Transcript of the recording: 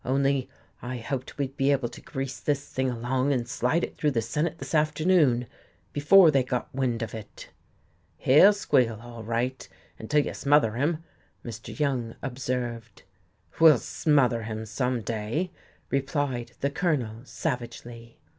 Only I hoped we'd be able to grease this thing along and slide it through the Senate this afternoon, before they got wind of it." "He'll squeal, all right, until you smother him," Mr. Young observed. "We'll smother him some day!" replied the Colonel, savagely.